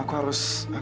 ya aku juga